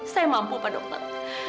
saya mampu pak dokter